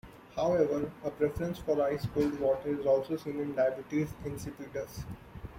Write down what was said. However, a preference for ice-cold water is also seen in diabetes insipidus.